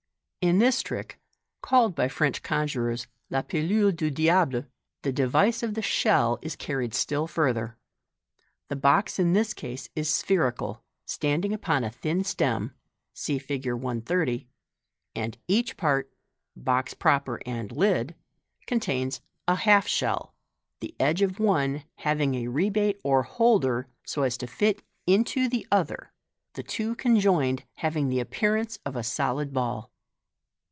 — In this trick (called by French conjurors La PUule du Diable) the device of the " shell " is carried still further. The box in this case is spherical, standing upon a thin stem {see Fig. 130), and each part (box proper and lid) contains a half shell, the edge of one having a rebate or houlder, so as to fit into the other, the two conjoined having the appearance of a solid ball.